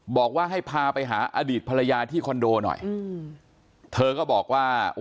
บอกว่าให้พาไปหาอดีตภรรยาที่คอนโดหน่อยอืมเธอก็บอกว่า